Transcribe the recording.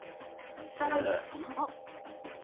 さらにその後。